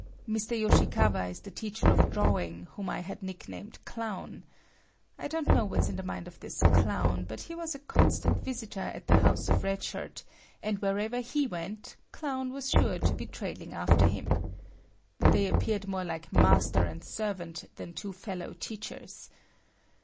Mr. Yoshikawa is the teacher of drawing whom I had nicknamed Clown. I don't know what's in the mind of this Clown, but he was a constant visitor at the house of Red Shirt, and wherever he went, Clown was sure to be trailing after him. They appeared more like master and servant than two fellow teachers.